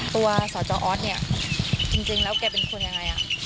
สจออสเนี่ยจริงแล้วแกเป็นคนยังไง